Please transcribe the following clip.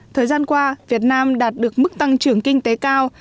thời gian qua việt nam đạt được mức tăng trưởng kinh tế cao